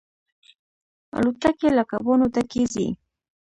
الوتکې له کبانو ډکې ځي.